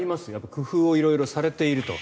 工夫を色々されていると。